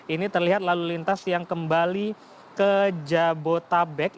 ini terlihat lalu lintas yang kembali ke jabodetabek